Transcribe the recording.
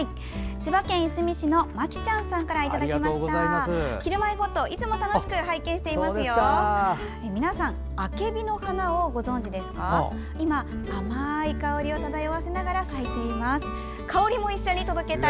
千葉県いすみ市のまきちゃんさんからいただきました。